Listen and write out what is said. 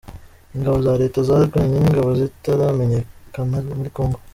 Ingabo za Leta zarwanye n’ingabo zitaramenyekana muri congo